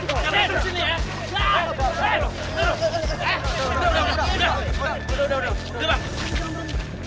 udah udah udah udah bang